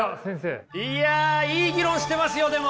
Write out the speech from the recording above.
いやいい議論してますよでも。